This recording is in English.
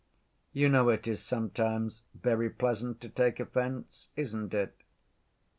You know it is sometimes very pleasant to take offense, isn't it?